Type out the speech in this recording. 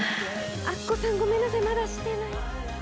アッコさん、ごめんなさい、まだしてない。